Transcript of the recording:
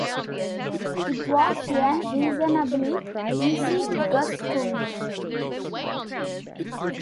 It was a reasonably easy guess to make.